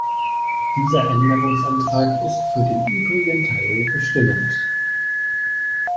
Dieser Änderungsantrag ist für den übrigen Teil bestimmend.